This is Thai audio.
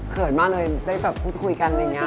เขินมากเลยได้คุยกันอย่างนี้